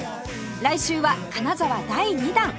来週は金沢第２弾